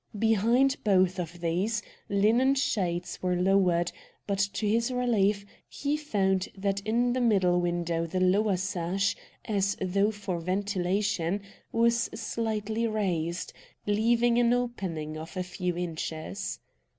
Behind both of these, linen shades were lowered, but, to his relief, he found that in the middle window the lower sash, as though for ventilation, was slightly raised, leaving an opening of a few inches.